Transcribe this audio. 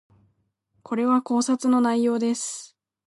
これは考察の内容です